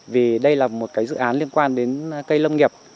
vì đây là một dự án liên quan đến cây lâm nghiệp